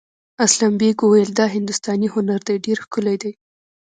اسلم بېگ وویل دا هندوستاني هنر دی ډېر ښکلی دی.